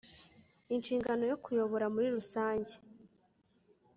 Inshingano yo kuyobora muri rusange